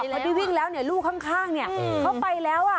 พอได้วิ่งแล้วเนี่ยลูกข้างเนี่ยเขาไปแล้ว